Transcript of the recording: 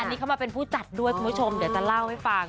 อันนี้เขามาเป็นผู้จัดด้วยคุณผู้ชมเดี๋ยวจะเล่าให้ฟัง